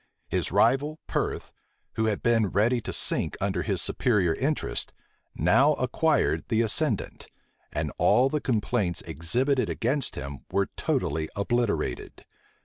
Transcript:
His rival, Perth, who had been ready to sink under his superior interest, now acquired the ascendant; and all the complaints exhibited against him were totally obliterated.